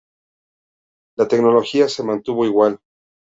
La tecnología se mantuvo igual.